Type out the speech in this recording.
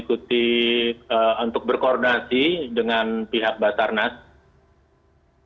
ikuti untuk berkoordinasi dengan pihak basarnas